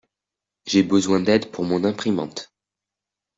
J'ai besoin d'aide pour mon imprimante.